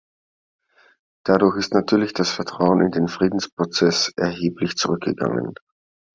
Dadurch ist natürlich das Vertrauen in den Friedensprozess erheblich zurückgegangen.